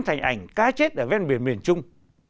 thành ảnh cá chết ở ven biển miền chung